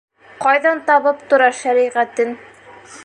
— Ҡайҙан табып тора шәриғәтен.